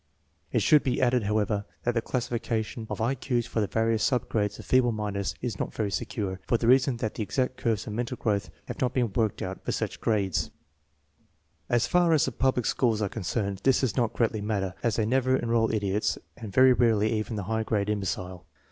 It should be added, however, that the classification of I Q's for the various sub grades of feeble mindedness is not very secure, for the reason that the exact cq^ves of mental growth have not been worked out for such'^grades. 80 THE MEASUREMENT OF INTELLIGENCE As far as the public schools are concerned this does not greatly matter, as they never enroll idiots and very rarely even the high grade imbecile.